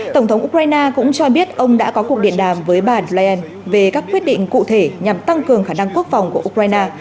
tổng thống ukraine cũng cho biết ông đã có cuộc điện đàm với bà bland về các quyết định cụ thể nhằm tăng cường khả năng quốc phòng của ukraine